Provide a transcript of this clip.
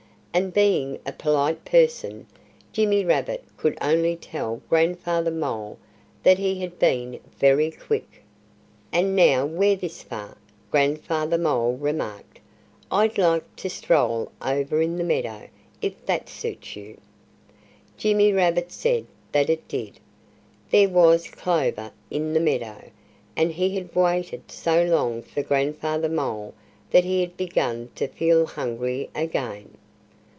And being a polite person, Jimmy Rabbit could only tell Grandfather Mole that he had been very quick. "And now we're this far," Grandfather Mole remarked, "I'd like to stroll over in the meadow if that suits you." Jimmy Rabbit said that it did. There was clover in the meadow. And he had waited so long for Grandfather Mole that he had begun to feel hungry again.